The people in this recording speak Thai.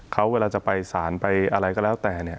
เขาเวลาจะไปสารไปอะไรก็แล้วแต่เนี่ย